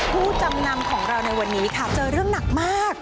ผู้จำนำของเราในวันนี้ค่ะเจอเรื่องหนักมาก